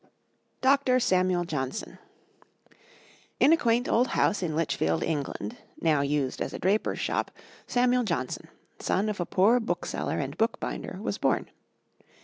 ] DR. SAMUEL JOHNSON. In a quaint old house in Lichfield, England, now used as a draper's shop, Samuel Johnson, son of a poor bookseller and bookbinder, was born.